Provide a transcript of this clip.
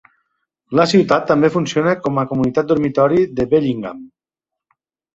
La ciutat també funciona com a comunitat dormitori de Bellingham.